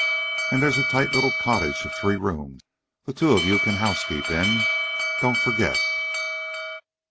And there's a tight little cottage of three rooms the two of you can housekeep in. Don't forget."